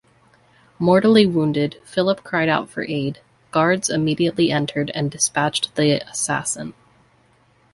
Mortally wounded, Philip cried out for aid; guards immediately entered and dispatched the assassin.